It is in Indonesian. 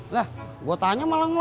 lah gue tanya malah